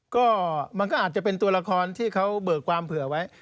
ก็มันก็อาจจะเป็นตัวละครที่เขาเบิกความเผื่อไว้